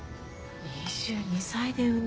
２２歳で産んだの。